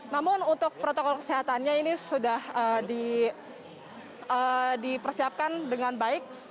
namun untuk protokol kesehatannya ini sudah dipersiapkan dengan baik